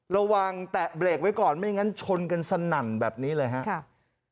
แตะเบรกไว้ก่อนไม่งั้นชนกันสนั่นแบบนี้เลยครับ